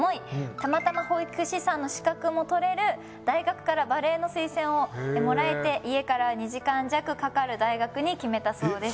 たまたま保育士さんの資格も取れる大学からバレーの推薦をもらえて家から２時間弱かかる大学に決めたそうです。